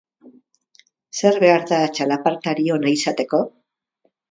Zer behar da txalapartari ona izateko?